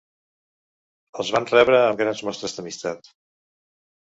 Els van rebre amb grans mostres d'amistat.